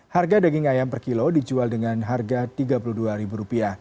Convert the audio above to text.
harga daging ayam per kilo dijual dengan harga rp tiga puluh dua